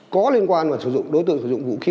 có liên quan đối tượng sử dụng vũ khí